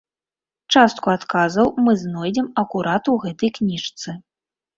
Частку адказаў мы знойдзем акурат у гэтай кніжцы.